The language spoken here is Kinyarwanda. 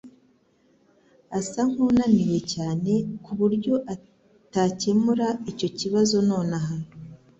asa nkunaniwe cyane kuburyo atakemura icyo kibazo nonaha